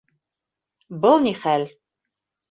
Был ни хәл?